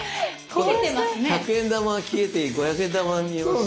１００円玉が消えて５００円玉が見えます。